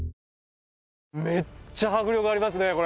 めっちゃ迫力ありますね